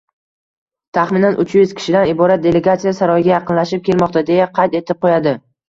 «Taxminan uch yuz kishidan iborat delegatsiya saroyga yaqinlashib kelmoqda», deya qayd etib qo‘yadi.